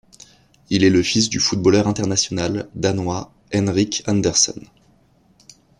Il est le fils du footballeur international danois Henrik Andersen.